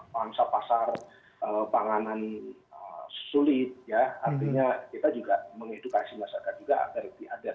masa pasar panganan sulit artinya kita juga mengedukasi masyarakat juga agar tidak lapar mata